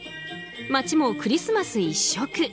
街もクリスマス一色。